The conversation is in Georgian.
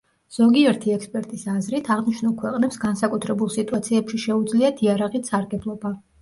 ზოგიერთი ექსპერტის აზრით, აღნიშნულ ქვეყნებს განსაკუთრებულ სიტუაციებში შეუძლიათ იარაღით სარგებლობა.